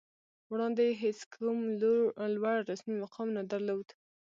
وړاندې یې هېڅ کوم لوړ رسمي مقام نه درلود